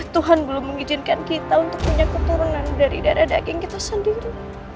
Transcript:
tuhan belum mengizinkan kita untuk punya keturunan dari darah daging kita sendiri